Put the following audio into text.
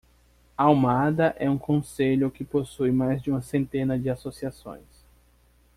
Almada é um concelho que possui mais de uma centena de associações.